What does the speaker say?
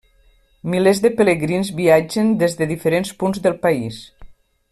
Milers de pelegrins viatgen des de diferents punts del país.